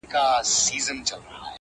شرمنده یې کړ پاچا تر جنرالانو،